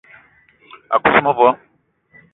A kuz mevo